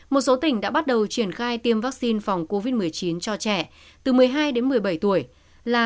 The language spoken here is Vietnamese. một số tỉnh đã bắt đầu triển khai tiêm vaccine phòng covid một mươi chín cho trẻ từ một mươi hai đến một mươi bảy tuổi là